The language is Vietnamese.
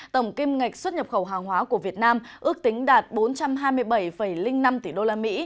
tổng kim ngạch xuất nhập khẩu hàng hóa của việt nam ước tính đạt bốn trăm hai mươi bảy năm tỷ usd